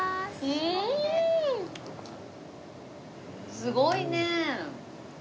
すごいね！